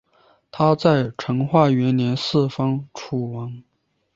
他在成化元年嗣封楚王。